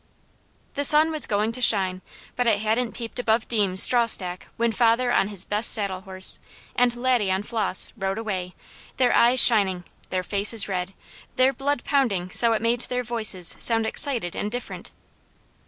The sun was going to shine, but it hadn't peeped above Deams' strawstack when father on his best saddle horse, and Laddie on Flos, rode away, their eyes shining, their faces red, their blood pounding so it made their voices sound excited and different.